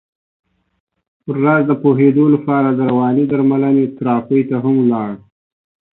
پر راز د پوهېدو لپاره د روانې درملنې تراپۍ ته هم ولاړ.